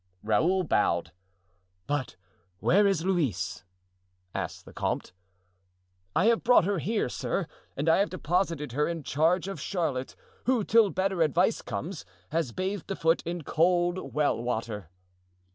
Raoul bowed. "But where is Louise?" asked the comte. "I have brought her here, sir, and I have deposited her in charge of Charlotte, who, till better advice comes, has bathed the foot in cold well water."